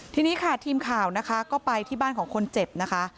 ทีนี้ค่ะทีมข่าวนะคะก็ไปที่บ้านของคนเจ็บนะคะ